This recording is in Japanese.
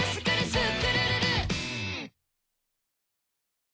スクるるる！」